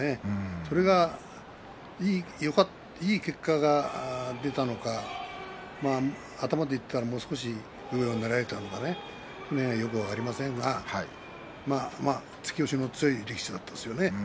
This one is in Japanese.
それが、いい結果が出たのか頭でいったら、もう少し上をねらえたのかよく分かりませんが突き押しの強い力士だったですよね。